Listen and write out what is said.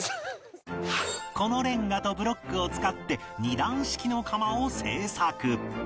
このレンガとブロックを使って２段式の窯を製作